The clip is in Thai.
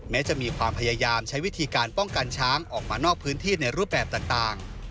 จะมีความพยายามใช้วิธีการป้องกันช้างออกมานอกพื้นที่ในรูปแบบต่าง